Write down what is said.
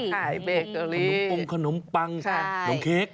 ขายเบเกอรี่ขนมปังขนมเค้ก